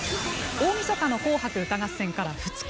大みそかの「紅白歌合戦」から２日。